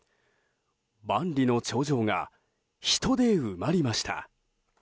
万里の長城が人で埋まりました。